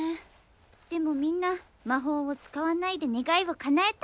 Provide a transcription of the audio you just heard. でもみんな魔法を使わないで願いをかなえた。